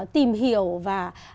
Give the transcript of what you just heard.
tìm hiểu và